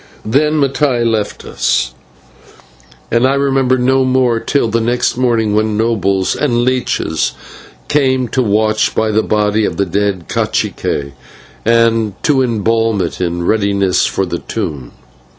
Then Mattai left us, and I remember no more till the next morning when nobles and leeches came to watch by the body of the dead /cacique/, and to embalm it in readiness for the tomb.